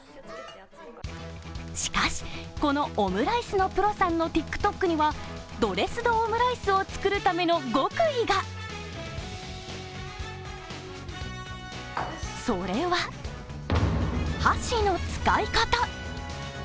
しかし、このオムライスのプロさんのＴｉｋＴｏｋには、ドレスドオムライスを作るための極意が、それは箸の使い方。